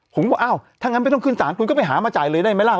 ผมก็บอกอ้าวถ้างั้นไม่ต้องขึ้นสารคุณก็ไปหามาจ่ายเลยได้ไหมล่ะ